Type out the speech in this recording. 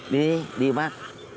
đi đi với bác